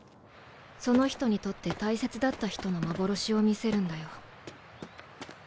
その人にとって大切だった人の幻を見せるんだよ。